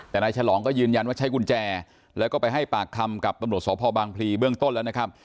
แต่นายฉลองก็ยืนยันว่าใช้กุญแจแล้วก็ไปให้ปากคำกับตำรวจสพบางพลีเบื้องต้นแล้วนะครับ